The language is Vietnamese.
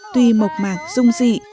tuy mộc mạc dung dị